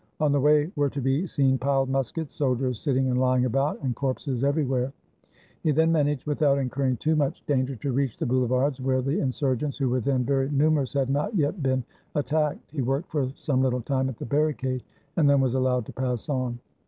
On the way were to be seen piled muskets, soldiers sitting and lying about, and corpses every where. He then managed, without incurring too much danger, to reach the Boulevards, where the insurgents, who were then very numerous, had not yet been at tacked. He worked for some little time at the barricade, and then was allowed to pass on.